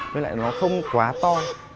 với lại nó không quá to